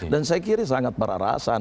dan saya kira sangat berarasan